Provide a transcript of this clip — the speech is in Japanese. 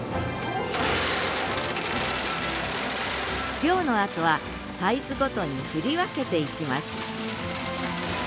漁のあとはサイズごとに振り分けていきます